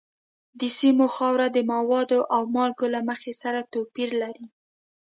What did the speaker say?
د سیمو خاوره د موادو او مالګو له مخې سره توپیر لري.